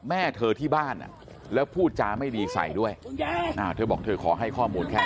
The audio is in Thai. แม่เธอที่บ้านแล้วพูดจาไม่ดีใส่ด้วยเธอบอกเธอขอให้ข้อมูลแค่